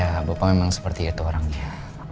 ya bapak memang seperti itu orangnya